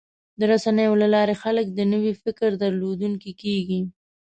د رسنیو له لارې خلک د نوي فکر درلودونکي کېږي.